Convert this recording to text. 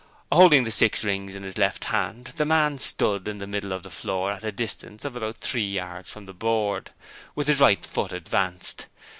Holding the six rings in his left hand, the man stood in the middle of the floor at a distance of about three yards from the board, with his right foot advanced.